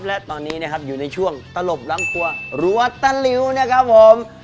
และตอนนี้นะครับอยู่ในช่วงตลบหลังครัวรัวตะหลิวนะครับผม